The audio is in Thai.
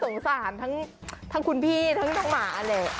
สงสารทั้งคุณพี่ทั้งทั้งหมา